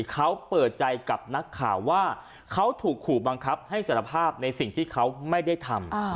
เขาเปิดใจกับนักข่าวว่าเขาถูกขู่บังคับให้สารภาพในสิ่งที่เขาไม่ได้ทำ